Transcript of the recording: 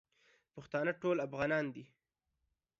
پښتانه ټول افغانان دي